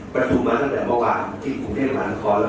ประถูมมาตั้งแต่เมื่อวานที่ภูมิธรรมฯหลานคร